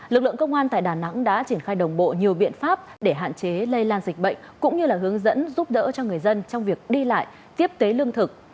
lực lượng công an tại đà nẵng đã triển khai đồng bộ nhiều biện pháp để hạn chế lây lan dịch bệnh cũng như hướng dẫn giúp đỡ cho người dân trong việc đi lại tiếp tế lương thực